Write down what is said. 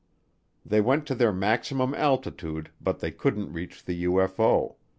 They went to their maximum altitude but they couldn't reach the UFO.